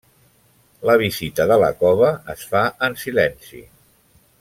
La visita de la cova es fa en silenci.